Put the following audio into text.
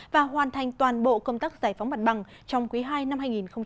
và hoàn thành toàn bộ công tác giải phóng mặt bằng trong quý ii năm hai nghìn hai mươi